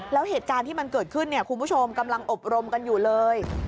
แล้วเหตุการณ์ที่มันเกิดขึ้นเนี่ยคุณผู้ชมกำลังอบรมกันอยู่เลย